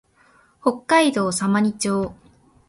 北海道様似町